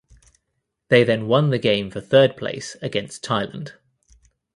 They then won the game for third place against Thailand.